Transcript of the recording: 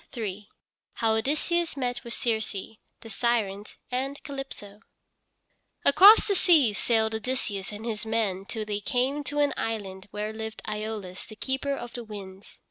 III HOW ODYSSEUS MET WITH CIRCE, THE SIRENS, AND CALYPSO Across the seas sailed Odysseus and his men till they came to an island where lived Æolus the keeper of the winds.